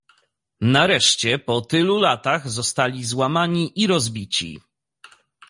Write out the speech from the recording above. "Nareszcie, po tylu latach, zostali złamani i rozbici."